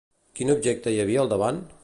Quin objecte hi havia al davant?